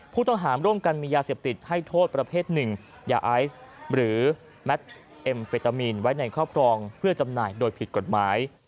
ผู้ต้องหาร่วมกันมียาเสพติดให้โทษประเภทหนึ่งยาไอซ์หรือแมทเอ็มเฟตามีนไว้ในครอบครองเพื่อจำหน่ายโดยผิดกฎหมาย